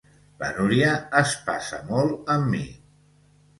La Núria es passa molt amb mi.